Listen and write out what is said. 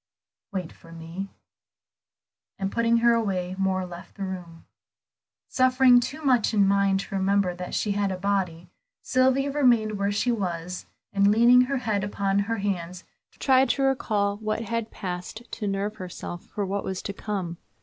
"Wait for me," and putting her away, Moor left the room. Suffering too much in mind to remember that she had a body, Sylvia remained where she was, and leaning her head upon her hands tried to recall what had passed, to nerve herself for what was to come.